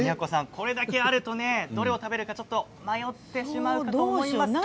これだけあるとどれを食べるのか迷ってしまいますよね。